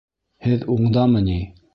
Һеҙ уңдамы ни?